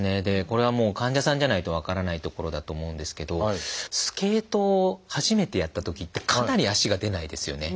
これは患者さんじゃないと分からないところだと思うんですけどスケートを初めてやったときってかなり足が出ないですよね。